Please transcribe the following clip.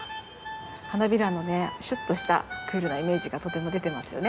花びらのねシュッとしたクールなイメージがとても出てますよね。